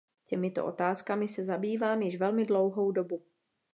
Těmito otázkami se zabývám již velmi dlouhou dobu.